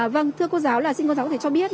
vâng thưa cô giáo là xin cô giáo có thể cho biết